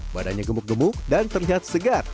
badannya gemuk gemuk dan terlihat segar